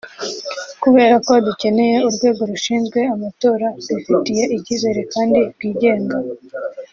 Kubera ko dukeneye urwego rushinzwe amatora rwifitiye icyizere kandi rwigenga